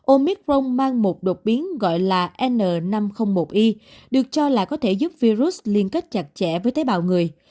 omicron mang một đột biến gọi là n năm trăm linh một i được cho là có thể giúp virus liên kết chặt chẽ với tế bào người